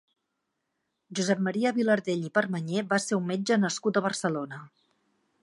Josep Maria Vilardell i Permanyer va ser un metge nascut a Barcelona.